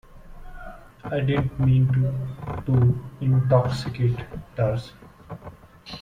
I did not mean to — to — intoxicate Darcy.